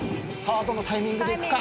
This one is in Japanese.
どのタイミングで行くか？